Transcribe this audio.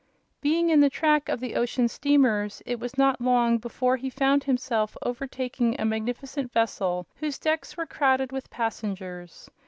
Being in the track of the ocean steamers it was not long before he found himself overtaking a magnificent vessel whose decks were crowded with passengers.